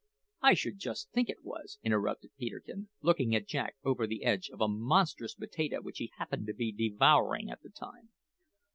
"I should just think it was," interrupted Peterkin, looking at Jack over the edge of a monstrous potato which he happened to be devouring at the time.